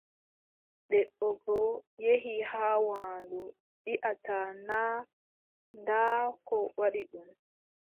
Debbo goo yehi haa waandu, wiʼata naa ndaa ko waddi ɗum.